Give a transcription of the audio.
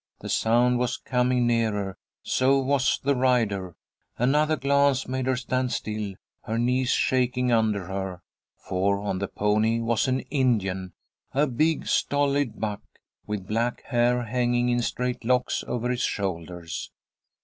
The sound was coming nearer. So was the rider. Another glance made her stand still, her knees shaking under her; for on the pony was an Indian, a big, stolid buck, with black hair hanging in straight locks over his shoulders.